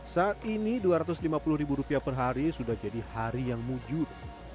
saat ini dua ratus lima puluh ribu rupiah per hari sudah jadi hari yang mujur